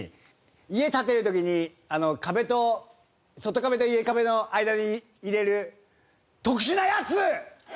家建てる時に壁と外壁と家壁の間に入れる特殊なやつ！